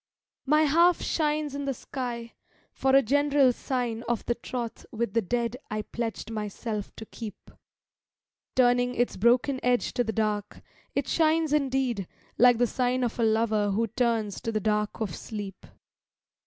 My half shines in the sky, for a general sign Of the troth with the dead I pledged myself to keep; Turning its broken edge to the dark, it shines indeed Like the sign of a lover who turns to the dark of sleep.